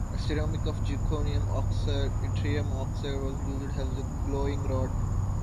A ceramic of zirconium oxide - yttrium oxide was used as the glowing rod.